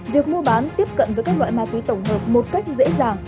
việc mua bán tiếp cận với các loại ma túy tổng hợp một cách dễ dàng